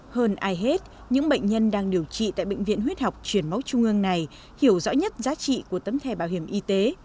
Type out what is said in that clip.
hơn ai hết những bệnh nhân đang điều trị tại bệnh viện huyết học truyền máu trung ương này hiểu rõ nhất giá trị của tấm thẻ bảo hiểm y tế